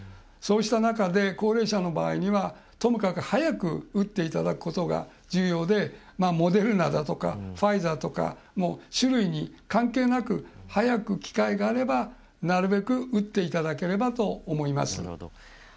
そうした中で、高齢者の場合にはともかく早く打っていただくことが重要でモデルナだとかファイザーとか種類に関係なく早く機会があればなるべく打っていただければと思います。